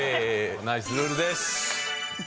ナイスルールです。